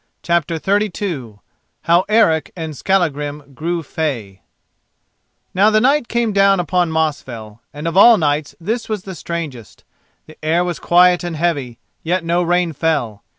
CHAPTER XXXII HOW ERIC AND SKALLAGRIM GREW FEY Now the night came down upon Mosfell, and of all nights this was the strangest. The air was quiet and heavy, yet no rain fell.